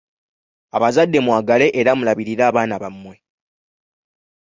Abazadde mwagale era mulabirire abaana bammwe.